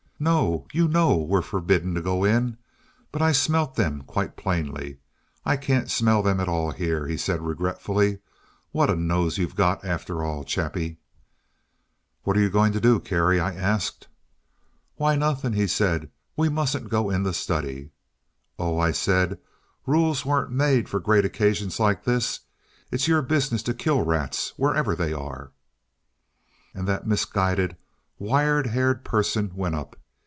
"No, you know we're forbidden to go in, but I smelt them quite plainly. I can't smell them at all here," he said regretfully. "What a nose you have got, after all, Chappie!" "What are you going to do, Kerry?" I asked. "Why, nothing," he said; "we mustn't go in the study." "Oh," I said, "rules weren't made for great occasions like this; it's your business to kill rats wherever they are." And that misguided wire haired person went up.